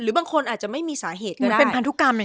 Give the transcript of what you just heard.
หรือบางคนอาจจะไม่มีสาเหตุก็ได้